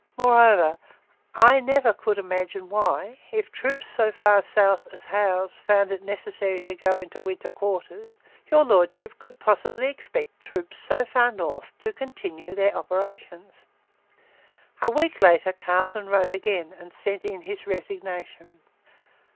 Moreover, 'I never could imagine why, if troops so far south [as Howe's] found it necessary to go into winter quarters, your Lordship could possibly expect troops so far north to continue their operations.' A week later Carleton wrote again and sent in his resignation.